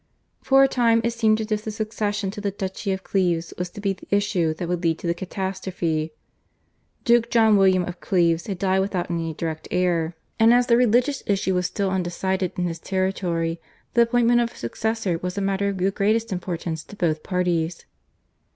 For a time it seemed as if the succession to the Duchy of Cleves was to be the issue that would lead to the catastrophe. Duke John William of Cleves had died without any direct heir, and as the religious issue was still undecided in his territory, the appointment of a successor was a matter of the greatest importance to both parties.